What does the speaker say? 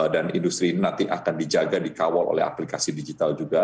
dan industri ini nanti akan dijaga dikawal oleh aplikasi digital juga